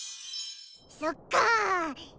そっかー。